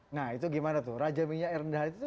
nah itu gimana tuh raja minyak yang rendah hati tuh